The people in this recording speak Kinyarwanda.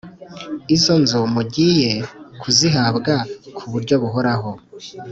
izo nzu mugiye kuzihabwa ku buryo buhoraho